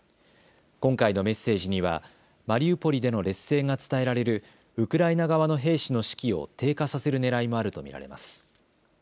今回のメッセージにはマリウポリでの劣勢が伝えられるウクライナ側の兵士の士気を低下させるねらいもあると見られます。